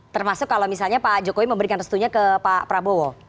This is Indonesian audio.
termasuk kalau misalnya pak jokowi memberikan restunya ke pak prabowo